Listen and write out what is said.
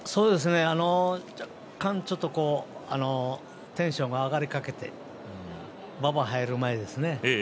若干テンションが上がりかけて馬場、入る前ですね。